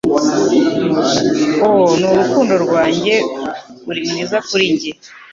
Ooh rukundo rwanjye uri mwiza kuri njye